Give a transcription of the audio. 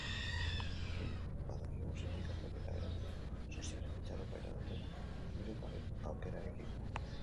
Jakin badakigu sindikatuek eta eragile sozialek itxaropena dutela hirukoaren aukerarekin.